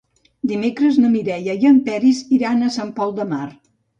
Dimecres na Mireia i en Peris iran a Sant Pol de Mar.